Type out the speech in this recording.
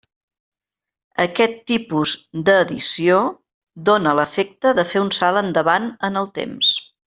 Aquest tipus d'edició dóna l'efecte de fer un salt endavant en el temps.